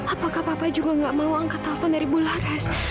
apakah papa juga nggak mau angkat telpon dari bularas